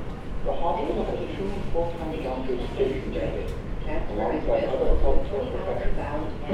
The hospital has two full-time doctors stationed at it, alongside other healthcare professionals.